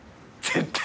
絶対。